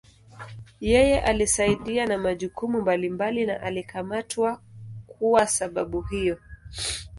Yeye alisaidia na majukumu mbalimbali na alikamatwa kuwa sababu hiyo.